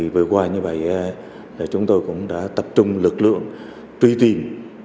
vừa qua như vậy chúng tôi cũng đã tập trung lực lượng truy tìm